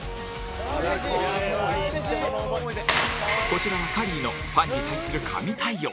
こちらはカリーのファンに対する神対応！